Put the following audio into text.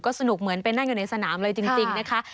สนุกเหมือนไปนั่งอยู่ในสนามเลยจริงนะคะ